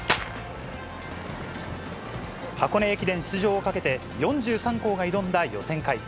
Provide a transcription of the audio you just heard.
箱根駅伝出場をかけて、４３校が挑んだ予選会。